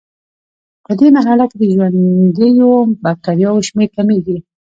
پدې مرحله کې د ژوندیو بکټریاوو شمېر کمیږي.